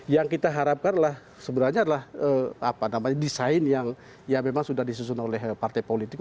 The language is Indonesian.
yang kita harapkan adalah sebenarnya adalah desain yang memang sudah disusun oleh partai politik